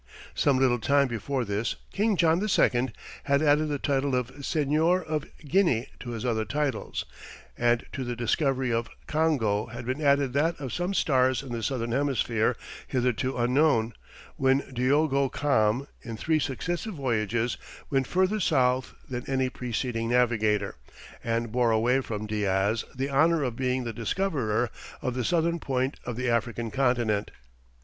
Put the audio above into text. Some little time before this King John II. had added the title of Seigneur of Guinea to his other titles, and to the discovery of Congo had been added that of some stars in the southern hemisphere hitherto unknown, when Diogo Cam, in three successive voyages, went further south than any preceding navigator, and bore away from Diaz the honour of being the discoverer of the southern point of the African continent.